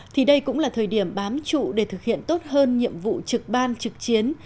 thì đây cũng là thời điểm bám trụ để thực hiện tốt hơn nhiệm vụ trực ban trực chiến